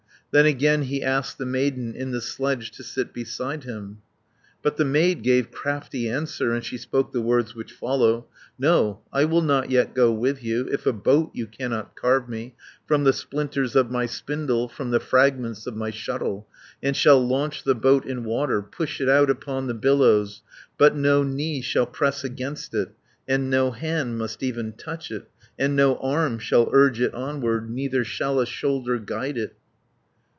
Then again he asked the maiden In the sledge to sit beside him. 120 But the maid gave crafty answer, And she spoke the words which follow: "No, I will not yet go with you, If a boat you cannot carve me, From the splinters of my spindle, From the fragments of my shuttle, And shall launch the boat in water, Push it out upon the billows, But no knee shall press against it, And no hand must even touch it; 130 And no arm shall urge it onward, Neither shall a shoulder guide it."